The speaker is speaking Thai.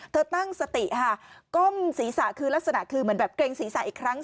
ตั้งสติค่ะก้มศีรษะคือลักษณะคือเหมือนแบบเกรงศีรษะอีกครั้ง